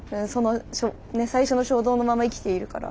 最初の衝動のまま生きているから。